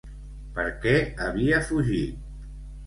Per què havia fugit?